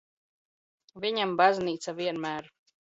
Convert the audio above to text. Vi?am bazn?ca vienm?r